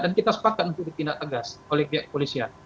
dan kita sepakat untuk ditindak tegas oleh pihak kepolisian